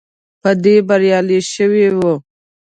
په دې بریالی شوی وو.